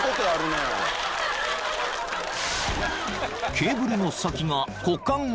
［ケーブルの先が股間を］